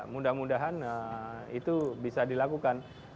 mudah mudahan itu bisa dilakukan